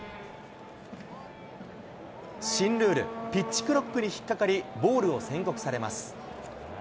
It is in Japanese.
新ルール、ピッチクロックに引っ掛かり、ボールを宣告されます。